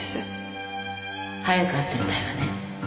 早く会ってみたいわね